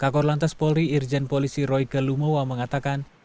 kakor lantas polri irjen polisi roy kelumowa mengatakan